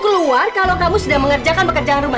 keluar kalau kamu sudah mengerjakan pekerjaan rumah